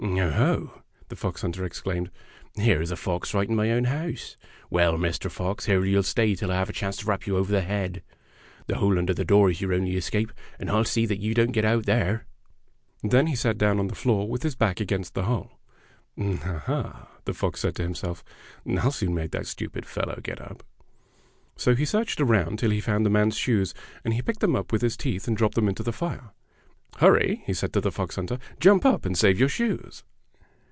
"Oho!" the fox hunter exclaimed, "here is a fox right in my own house. Well, Mr. Fox, here you'll stay till I have a chance to rap you over the head. The hole under the door is your only chance to escape, and I 'll see that you don't get out there." 64 F airy T ale F oxes Then he sat down on the floor with his back against the hole. ''Ah!" the fox said to himself, "I'll soon make that stupid fellow get up." So he searched around tilbhe found the man's shoes, and he picked them up with his teeth and dropped them into the Are. " Hur ry!" he said to the fox hunter; "jump up and save your shoes!"